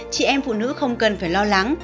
chị em phụ nữ không cần phải lo lắng